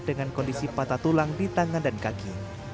dengan kondisi patah tulang di tangan dan kaki